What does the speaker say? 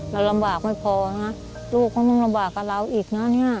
เรารำบาลไม่พอนะลูกก็ต้องรำบากกับเราอีกนะ